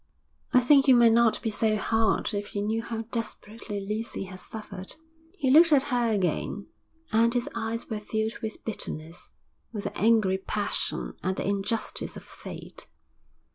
'I think you might not be so hard if you knew how desperately Lucy has suffered.' He looked at her again, and his eyes were filled with bitterness, with angry passion at the injustice of fate.